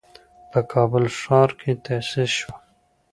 په کابل ښار کې تأسيس شوه.